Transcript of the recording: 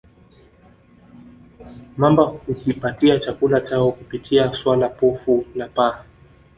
mamba hujipatia chakula chao kupitia swala pofu na paa